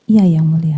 iya yang mulia